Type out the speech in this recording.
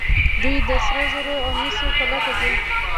دوی د سرو زرو او مسو په لټه دي.